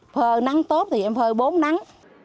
phơi nắng tốt thì em phơi bốn nắng